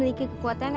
ayo kak terima aja